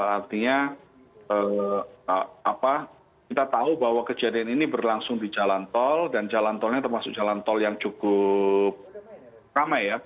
artinya kita tahu bahwa kejadian ini berlangsung di jalan tol dan jalan tolnya termasuk jalan tol yang cukup ramai ya